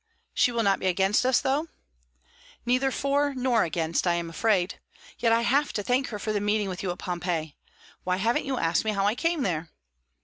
"She will not be against us, though?" "Neither for nor against, I am afraid. Yet I have to thank her for the meeting with you at Pompeii. Why haven't you asked me how I came there?"